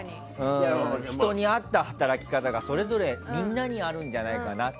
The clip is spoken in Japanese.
人に合った働き方がそれぞれみんなにあるんじゃないかなと。